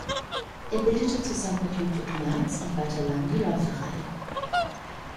Er bildete zusammen mit Ludwig Merz und Walter Lang die Läuferreihe.